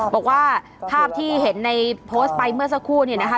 บอกว่าภาพที่เห็นในโพสต์ไปเมื่อสักครู่เนี่ยนะคะ